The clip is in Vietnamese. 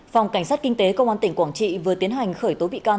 phòng cảnh sát kinh tế công an tỉnh quảng trị vừa tiến hành khởi tố bị can